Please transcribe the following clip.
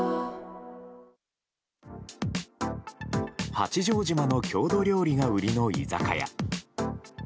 八丈島の郷土料理が売りの居酒屋。